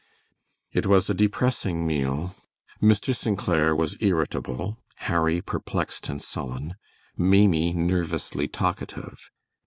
It was a depressing meal. Mr. St. Clair was irritable; Harry perplexed and sullen; Maimie nervously talkative.